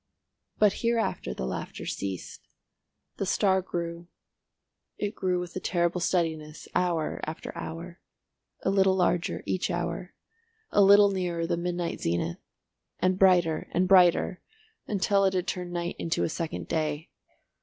But hereafter the laughter ceased. The star grew—it grew with a terrible steadiness hour after hour, a little larger each hour, a little nearer the midnight zenith, and brighter and brighter, until it had turned night into a second day.